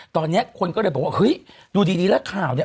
ตอนนี้คนก็เลยบอกว่าเฮ้ยดูดีแล้วข่าวเนี่ย